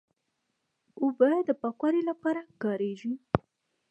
اوبه د پاکوالي لپاره کارېږي.